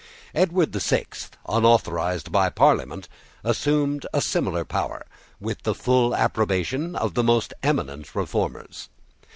Edward the Sixth, unauthorised by Parliament, assumed a similar power, with the full approbation of the most eminent Reformers.